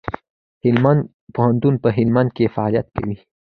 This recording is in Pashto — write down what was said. هلمند پوهنتون په هلمند کي فعالیت کوي.